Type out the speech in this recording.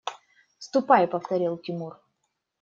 – Ступай, – повторил Тимур.